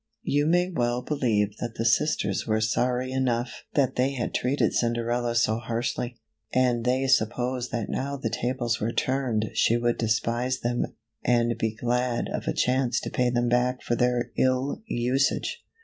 You may well believe that the sisters were sorry enough CINDERELLA , OR THE LITTLE GLASS SLIPPER . that they had treated Cinderella so harshly, and they sup posed that now the tables were turned she would despise them, and be glad of a chance to pay them back for their ill usage.